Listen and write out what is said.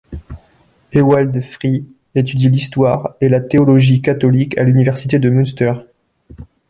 Ewald Frie étudie l'histoire et la théologie catholique à l'université de Münster.